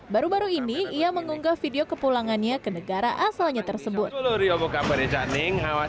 baru baru ini ia mengunggah video kepulangannya ke negara asalnya tersebut